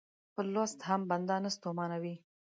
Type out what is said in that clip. په لوست هم بنده نه ستومانوي.